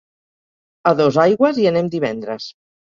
A Dosaigües hi anem divendres.